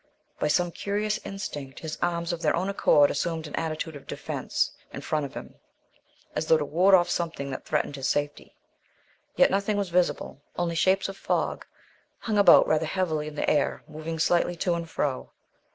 By some curious instinct, his arms of their own accord assumed an attitude of defence in front of him, as though to ward off something that threatened his safety. Yet nothing was visible. Only shapes of fog hung about rather heavily in the air, moving slightly to and fro.